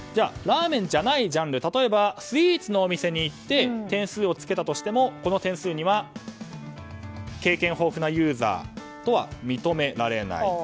ラーメンじゃないジャンル例えばスイーツのお店に行って点数を付けたとしてもこの点数には経験豊富なユーザーとは認められない。